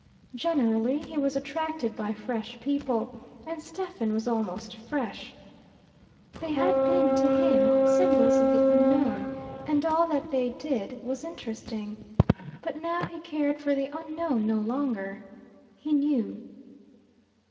Generally he was attracted by fresh people, and Stephen was almost fresh: they had been to him symbols of the unknown, and all that they did was interesting. But now he cared for the unknown no longer. He knew.